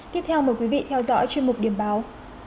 tiếp theo mời quý vị theo dõi chương trình điểm báo